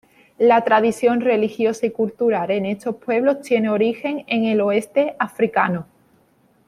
La tradición religiosa y cultural en estos pueblos tiene origen en el oeste africano.